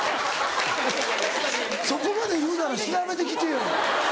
そこまで言うなら調べてきてよ。